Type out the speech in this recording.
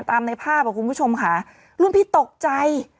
ตามในภาพอ่ะคุณผู้ชมค่ะรุ่นพี่ตกใจ